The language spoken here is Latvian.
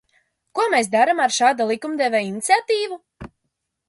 Ko mēs darām ar šādu likumdevēju iniciatīvu?